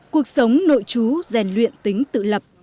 cuộc sống nội chú rèn luyện tính tự lập